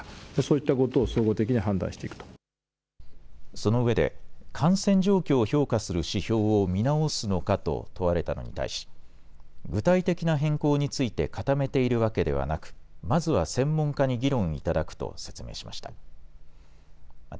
そのうえで感染状況を評価する指標を見直すのかと問われたのに対し具体的な変更についてかためているわけではなくまずは専門家に議論いただくと説明しました。